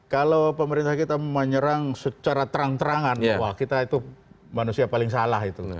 kalau pemerintah kita menyerang secara terang terangan wah kita itu manusia paling salah itu